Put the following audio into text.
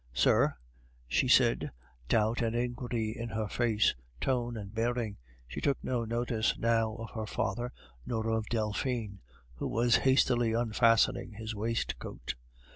"Sir?..." she said, doubt and inquiry in her face, tone, and bearing; she took no notice now of her father nor of Delphine, who was hastily unfastening his waistcoat.